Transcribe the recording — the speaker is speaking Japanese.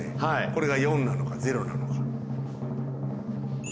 これが４なのかゼロなのか。